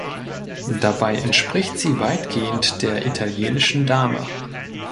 Dabei entspricht sie weitgehend der Italienischen Dame.